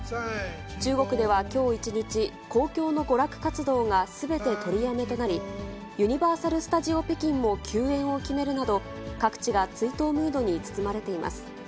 中国ではきょう一日、公共の娯楽活動がすべて取りやめとなり、ユニバーサル・スタジオ・北京も休園を決めるなど、各地が追悼ムードに包まれています。